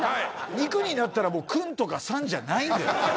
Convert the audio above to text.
肉になったらもう「クン」とか「さん」じゃないんだよ